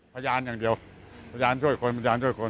พยานอย่างเดียวพยานช่วยคนพยานช่วยคน